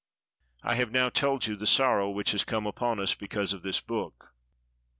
I have now told you the sorrow which has come upon us because of this book.